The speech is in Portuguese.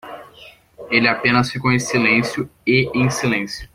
Ele apenas ficou em silêncio e em silêncio